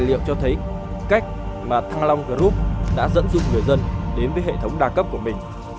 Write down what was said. điều này giúp đỡ nguồn khách hàng người dân đến với hệ thống đa cấp của mình